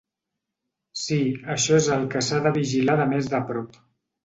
Si, això és el que s’ha de vigilar de més de prop.